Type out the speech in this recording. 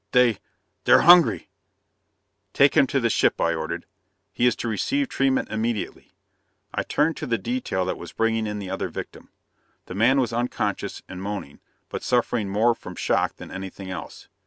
They they're hungry!" "Take him to the ship," I ordered. "He is to receive treatment immediately," I turned to the detail that was bringing in the other victim. The man was unconscious, and moaning, but suffering more from shock than anything else.